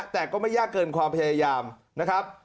แต่ก็ไม่ยากเกินความพยายามนะครับ